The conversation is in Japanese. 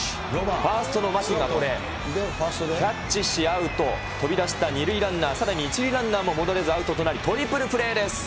ファーストの牧がこれ、キャッチし合うと、飛びだした２塁ランナー、さらに１塁ランナーも戻れずアウトとなり、トリプルプレーです。